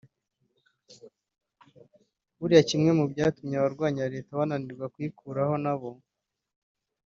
buriya kimwe mubyatumye abarwanya leta bananirwa kuyikuraho nabo